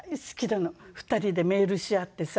２人でメールし合ってさ。